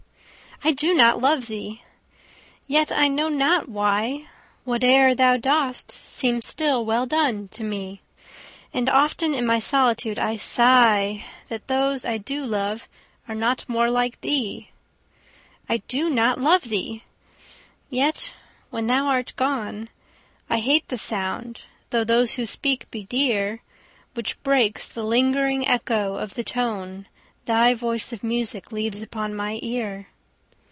I do not love thee!—yet, I know not why, 5 Whate'er thou dost seems still well done, to me: And often in my solitude I sigh That those I do love are not more like thee! I do not love thee!—yet, when thou art gone, I hate the sound (though those who speak be dear) 10 Which breaks the lingering echo of the tone Thy voice of music leaves upon my ear.